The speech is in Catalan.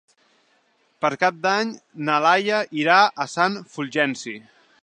Per Cap d'Any na Laia irà a Sant Fulgenci.